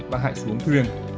bạn hãy xuống thuyền